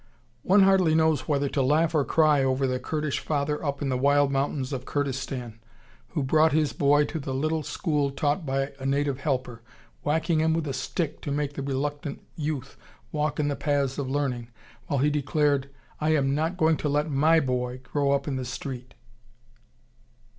] One hardly knows whether to laugh or to cry over the Kurdish father up in the wild mountains of Kurdistan who brought his boy to the little school taught by a native helper, whacking him with a stick to make the reluctant youth walk in the paths of learning, while he declared, "I am not going to let my boy grow up in the street."